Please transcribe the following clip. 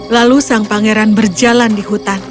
lalu sang pangeran berjalan di hutan